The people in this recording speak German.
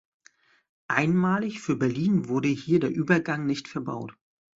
Einmalig für Berlin wurde hier der Übergang nicht verbaut.